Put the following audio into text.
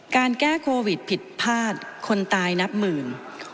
แก้โควิดผิดพลาดคนตายนับหมื่น